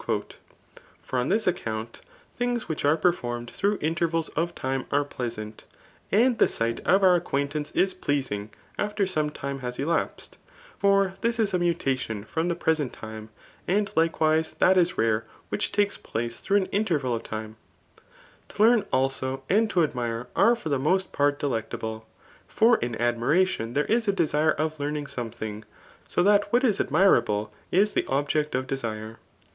For on this acc<juiit things which are fierfbrmed t^ixHlgti intervals of time are pleasant ; and the js^ght of oqriic qpaintance is pleasing after some time baa ^)ap^. For tjsip k ^ mutaician from the prese&t time ; and ; lilj^qwise th4t i^rare whijiih takes ptfice .through an it|t^ya| of tifpe. To learn, also, and to admire are for the i^ost ' part 4e l^ctalikle. : For in admiration there is a d^ire of karping £«Qaething ;3 so that what 13 admira4)le is the object of desire.